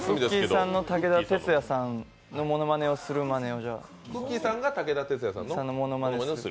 さんの武田鉄矢さんのものまねをするやつを。